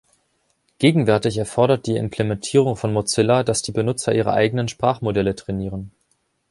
Gegenwärtig erfordert die Implementierung von Mozilla, dass die Benutzer ihre eigenen Sprachmodelle trainieren.